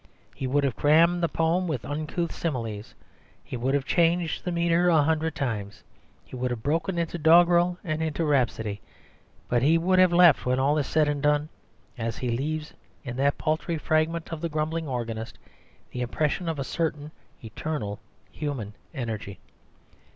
He would have crammed the poem with uncouth similes; he would have changed the metre a hundred times; he would have broken into doggerel and into rhapsody; but he would have left, when all is said and done, as he leaves in that paltry fragment of the grumbling organist, the impression of a certain eternal human energy.